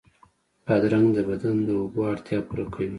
بادرنګ د بدن د اوبو اړتیا پوره کوي.